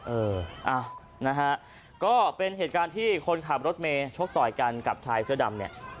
เออนะฮะก็เป็นเหตุการณ์ที่คนขับรถเมย์ชกต่อยกันกับชายเสื้อดำเนี่ย